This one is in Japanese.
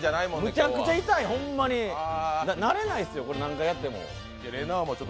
めちゃくちゃ痛い、ほんまに慣れないすよ、何回やっても。